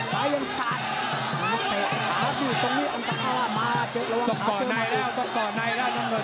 ซ้ายยังสายตรงนี้อันตรายมาเจ็บระวังขาเจอมากต้องก่อนในแล้วต้องก่อนในแล้วทุกคน